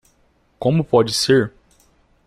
Como pode ser?